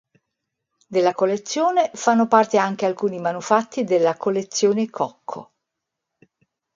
Della collezione fanno parte anche alcuni manufatti della collezione Cocco.